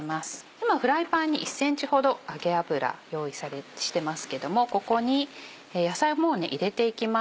今フライパンに１ｃｍほど揚げ油用意してますけどもここに野菜をもう入れていきます。